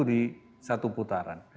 di satu putaran